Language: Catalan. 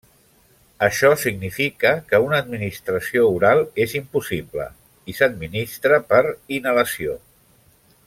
Això significa que una administració oral és impossible, i s'administra per inhalació.